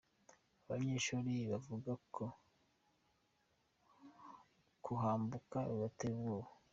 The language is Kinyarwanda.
Abanyeshuri bavuga ko kuhambuka bibatera ubwoba.